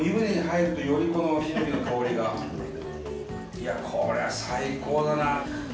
いやこれは最高だな。